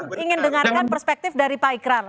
kita ingin dengarkan perspektif dari pak ikrar